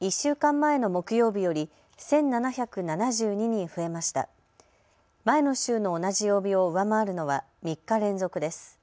前の週の同じ曜日を上回るのは３日連続です。